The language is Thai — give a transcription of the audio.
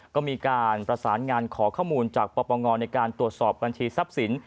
ก็มีการประสานงานขอข้อมูลจากปปงในการตรวจสอบบัญชีทรัพย์สิน